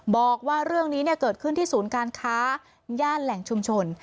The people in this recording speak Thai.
บอกว่าเรื่องนี้เกิดขึ้นที่ศูนย์การค้าย่านแหล่งชุมชน